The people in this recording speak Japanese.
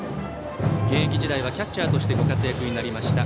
現役時代はキャッチャーとしてご活躍になりました